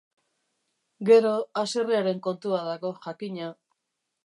Gero haserrearen kontua dago, jakina.